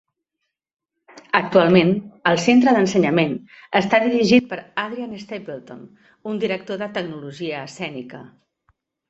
Actualment, el centre d'ensenyament està dirigit per Adrian Stapleton, un director de tecnologia escènica.